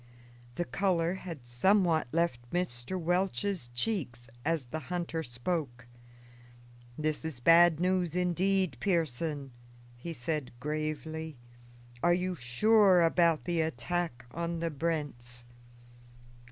The color had somewhat left Mr. Welch's cheeks as the hunter spoke. "This is bad news, indeed, Pearson," he said gravely. "Are you sure about the attack on the Brents?"